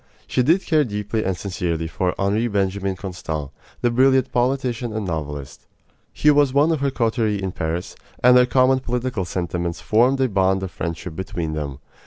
She did care deeply and sincerely for Henri Benjamin Constant, the brilliant politician and novelist. He was one of her coterie in Paris, and their common political sentiments formed a bond of friendship between them.